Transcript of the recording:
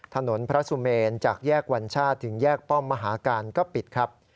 ถนนพระสุเมนจากแยกวัญชาติถึงแยกป้อมมหาการก็ปิดครับ